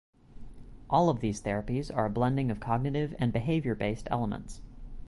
All of these therapies are a blending of cognitive- and behavior-based elements.